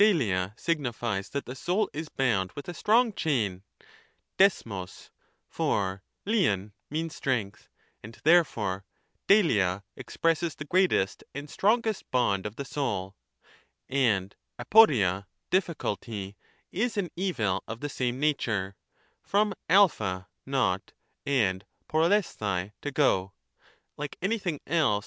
eiAia signifies that the soul is bound S(i\Ca. with a strong chain {deajjibg), for Xlav means strength, and therefore deiXia expresses the greatest and strongest bond of the soul ; and d opia (difficulty) is an evil of the same nature (from a not, and rcopevendai to go), like anything else which is ' Iliad vi.